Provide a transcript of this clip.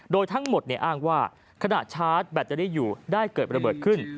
โดยทั้งหมดอ้างว่าขณะชาร์จแบตเตอรี่อยู่ได้เกิดระเบิดขึ้น